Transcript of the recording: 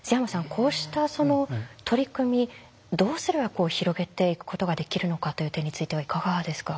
こうした取り組みどうすれば広げていくことができるのかという点についてはいかがですか？